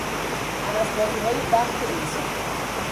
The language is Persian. هوسبازیهای بخت انسان